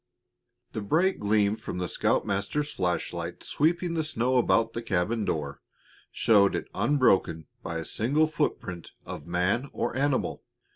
The bright gleam from the scoutmaster's flash light, sweeping the snow about the cabin door, showed it unbroken by a single footprint of man or animal.